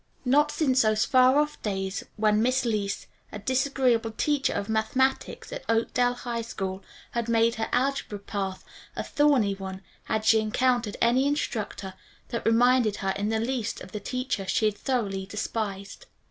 Not since those far off days when Miss Leece, a disagreeable teacher of mathematics at Oakdale High School, had made her algebra path a thorny one had she encountered any instructor that reminded her in the least of the one teacher she had thoroughly despised.